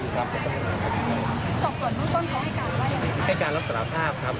ความไม่เข้าใจกันความห่วงความจำ